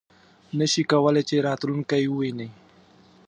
نه شي کولای چې راتلونکی وویني .